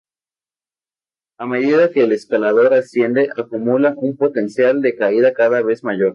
A medida que el escalador asciende acumula un potencial de caída cada vez mayor.